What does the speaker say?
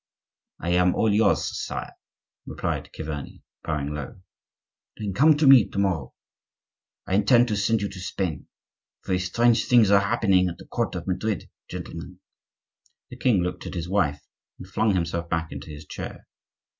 "I am all yours, sire," replied Chiverni, bowing low. "Then come to me to morrow; I intend to send you to Spain. Very strange things are happening at the court of Madrid, gentlemen." The king looked at his wife and flung himself back into his chair.